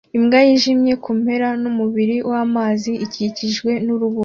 imbwa yijimye kumpera yumubiri wamazi akikijwe nurubura